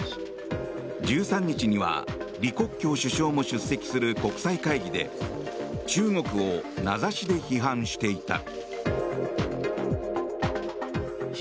１３日には李克強首相も出席する国際会議で中国を名指しで批判していた。